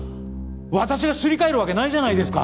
私がすり替えるわけないじゃないですか。